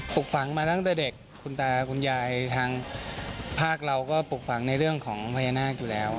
ฝังมาตั้งแต่เด็กคุณตาคุณยายทางภาคเราก็ปลูกฝังในเรื่องของพญานาคอยู่แล้ว